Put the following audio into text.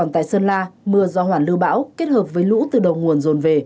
tại sơn la mưa do hoản lưu bão kết hợp với lũ từ đầu nguồn dồn về